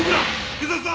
警察だ！